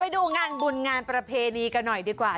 ดูงานบุญงานประเพณีกันหน่อยดีกว่า